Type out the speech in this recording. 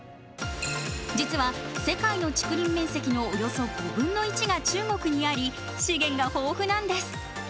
実は世界の竹林面積のおよそ５分の１が中国にあり資源が豊富なんです。